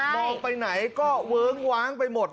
ไปไหนก็เวิ้งว้างไปหมด